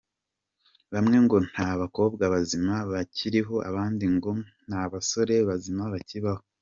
bamwe ngo nta bakobwa bazima bakiriho abandi ngo nta basore bazima bakibaho.